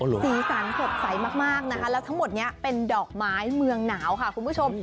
สีสันสดใสมากนะคะแล้วทั้งหมดนี้เป็นดอกไม้เมืองหนาวค่ะคุณผู้ชม